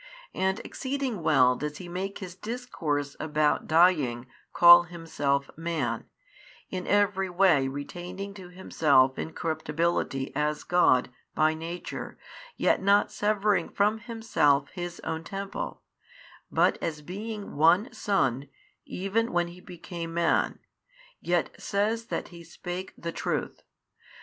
And exceeding well does He making His Discourse about dying call Himself Man, in every way retaining to Himself incorruptibility as God by Nature yet not severing from Himself His own Temple, but as being One Son, even when He became Man, yet says that He spake the Truth.